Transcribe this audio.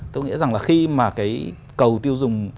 tôi nghĩ rằng là khi mà cái cầu tiêu dùng